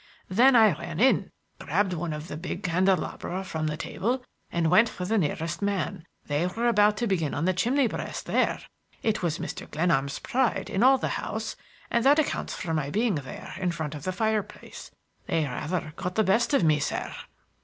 "Then I ran in, grabbed one of the big candelabra from the table, and went for the nearest man. They were about to begin on the chimney breast there,—it was Mr. Glenarm's pride in all the house,—and that accounts for my being there in front of the fireplace. They rather got the best of me, sir.